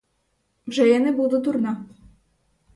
Вже я не буду дурна.